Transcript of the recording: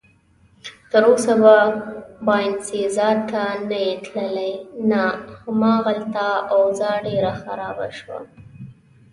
تراوسه به باینسیزا ته نه یې تللی؟ نه، هماغلته اوضاع ډېره خرابه شوه.